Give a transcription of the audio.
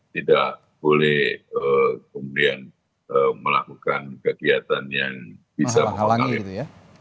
tidak boleh kemudian melakukan kegiatan yang bisa mengalir